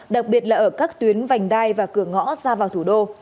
đặc biệt là ở các tuyến vành đai và cửa ngõ ra vào thủ đô